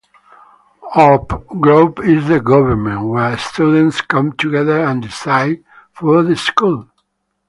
Op Group is the government, where students come together and decide for the school.